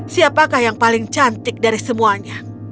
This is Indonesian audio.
siapakah yang paling cantik dari semuanya